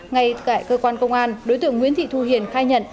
ngay tại cơ quan công an đối tượng nguyễn thị thu hiền khai nhận